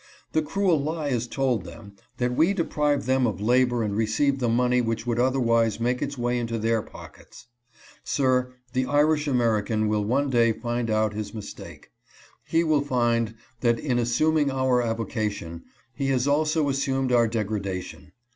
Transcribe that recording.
The cruel lie is told them, that we deprive them of labor and receive the money which would otherwise make its way into their pockets. Sir, the Irish American will one day find out his IRISHMEN HATE NEGROES. 367 mistake. He will find that in assuming our avocation, he has also assumed our degradation.